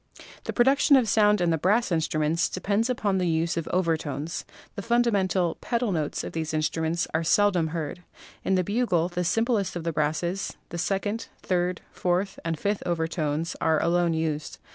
The production of sound in the brass instruments de pends upon the use of overtones. The fundamental ("pedal") notes of these instruments are seldom heard. In the bugle, the simplest of the brasses, the second, third, fourth and fifth overtones are alone used.